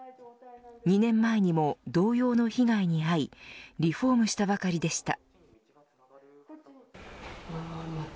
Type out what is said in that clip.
２年前にも同様の被害に遭いリフォームしたばかりでした。